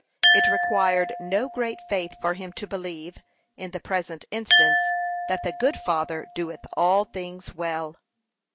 It required no great faith for him to believe, in the present instance, that the good Father doeth all things well.